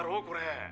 これ。